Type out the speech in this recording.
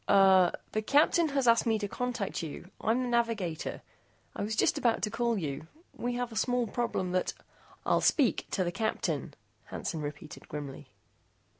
"Er the Captain has asked me to contact you. I'm the navigator. I was just about to call you. We have a small problem that " "I'll speak to the Captain," Hansen repeated grimly.